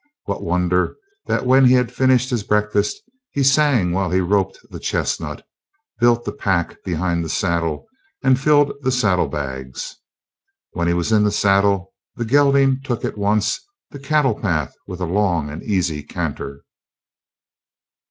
What wonder that when he had finished his breakfast he sang while he roped the chestnut, built the pack behind the saddle, and filled the saddlebags. When he was in the saddle, the gelding took at once the cattle path with a long and easy canter.